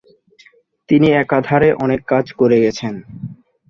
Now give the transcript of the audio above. তিনি একাধারে অনেক কাজ করে গেছেন।